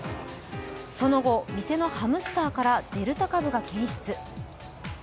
その後、店のハムスターからデルタ株が検出。